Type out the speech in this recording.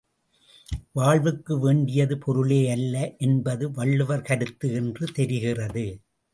வாழ்வுக்கு வேண்டியது பொருளே அல்ல என்பது வள்ளுவர் கருத்து என்று தெரிகிறது.